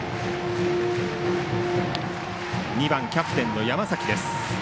２番、キャプテンの山崎です。